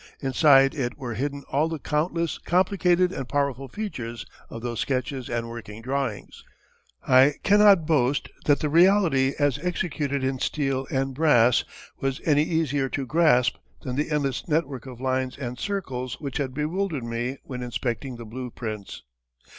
Inside it were hidden all the countless, complicated, and powerful features of those sketches and working drawings. I cannot boast that the reality as executed in steel and brass was any easier to grasp than the endless network of lines and circles which had bewildered me when inspecting the blueprints.